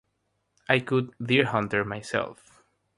I cut "Deer Hunter" myself.